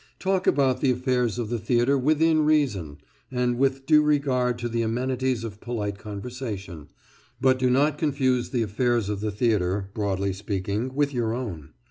Talk about the affairs of the theatre within reason, and with due regard to the amenities of polite conversation, but do not confuse the affairs of the theatre, broadly speaking, with your own.